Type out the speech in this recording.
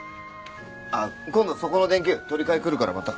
あっ今度そこの電球取り換えに来るからまた。